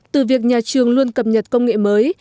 từ việc nhà trường luôn cập nhật công nghệ mới